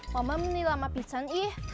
mama bener lama pisah nih